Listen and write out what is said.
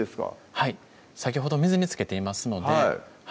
はい先ほど水につけていますのではい